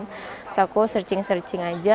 terus aku searching searching aja